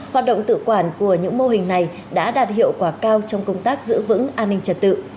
hoạt động tự quản của những mô hình này đã đạt hiệu quả cao trong công tác giữ vững an ninh trật tự